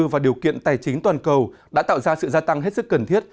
và điều kiện tài chính toàn cầu đã tạo ra sự gia tăng hết sức cần thiết